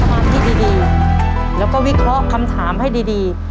มาที่ดีแล้วก็วิเคราะห์คำถามให้ดีดี